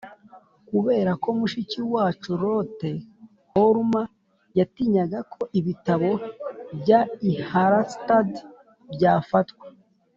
Kubera ko mushiki wacu Lotte Holm yatinyaga ko ibitabo byari i Harstad byafatwa